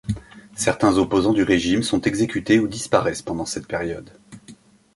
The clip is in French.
Certains opposants du régime sont exécutés ou disparaissent pendant cette période.